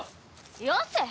よせ！